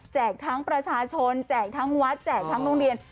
ทั้งประชาชนแจกทั้งวัดแจกทั้งโรงเรียน